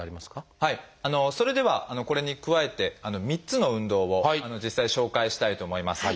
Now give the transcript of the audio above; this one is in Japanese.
それではこれに加えて３つの運動を実際に紹介したいと思います。